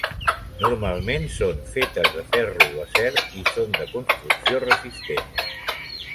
Normalment són fetes de ferro o acer i són de construcció resistent.